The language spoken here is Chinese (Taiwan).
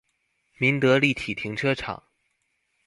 民德立體停車場